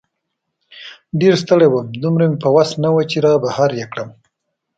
ډېر ستړی وم، دومره مې په وسه نه وه چې را بهر یې کړم.